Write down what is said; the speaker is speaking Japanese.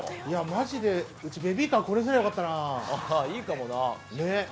マジでベビーカー、これがよかったな。